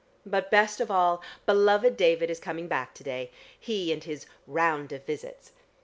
But best of all, beloved David is coming back to day. He and his round of visits!